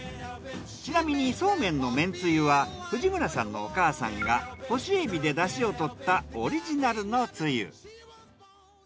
ちなみにそうめんのめんつゆは藤村さんのお母さんが干しえびでダシをとったオリジナルのつゆ。